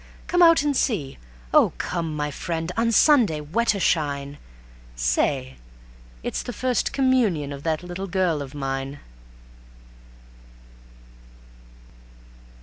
Come out and see. Oh come, my friend, on Sunday, wet or shine ... Say! _it's the First Communion of that little girl of mine.